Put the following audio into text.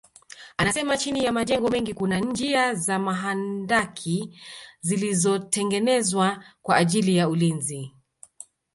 Anasema chini ya majengo mengi kuna njia za mahandaki zilizotengenezwa kwa ajili ya ulinzi